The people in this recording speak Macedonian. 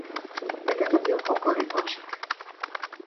Детето ги ококори очите.